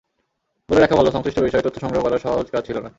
বলে রাখা ভালো, সংশ্লিষ্ট বিষয়ে তথ্য সংগ্রহ করা সহজ কাজ ছিল না।